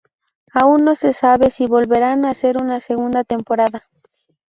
Aún no se sabe si volverán a hacer una segunda temporada.